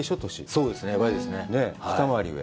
そうですね。